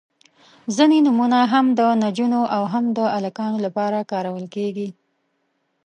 • ځینې نومونه هم د نجونو او هم د هلکانو لپاره کارول کیږي.